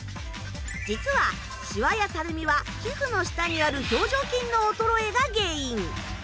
実はシワやたるみは皮膚の下にある表情筋の衰えが原因。